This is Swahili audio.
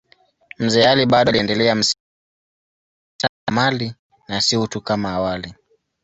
Mzee Ali bado aliendelea msimamo wake wa kutaka mali na si utu kama awali.